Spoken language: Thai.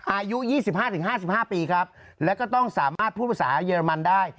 อายุ๒๕๕๕ปีครับแล้วก็ต้องสามารถพูดภาษาเยอรมันได้